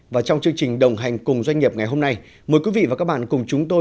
và trong chương trình đồng hành cùng doanh nghiệp ngày hôm nay mời quý vị và các bạn cùng chúng tôi